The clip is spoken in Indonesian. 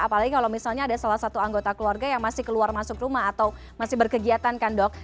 apalagi kalau misalnya ada salah satu anggota keluarga yang masih keluar masuk rumah atau masih berkegiatan kan dok